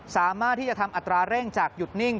สามารถที่จะทำอัตราเร่งจากหยุดนิ่ง